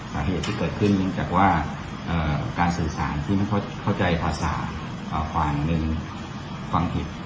และเหตุที่เกิดขึ้นจากการสื่อสารที่ไม่เข้าใจภาษาความผิด